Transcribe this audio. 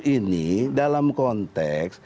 ini dalam konteks